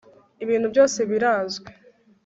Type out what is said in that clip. ibintu byose birazwi